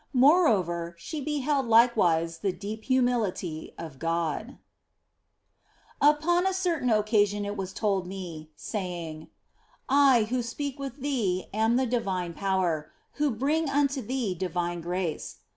MOREOVER, SHE BEHELD LIKEWISE THE DEEP HUMILITY OF GOD UPON a certain occasion it was told me, saying, " I who speak with thee am the divine Power, who bring unto thee divine grace.